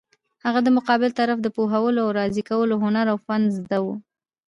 هغه د مقابل طرف د پوهولو او راضي کولو هنر او فن زده وو.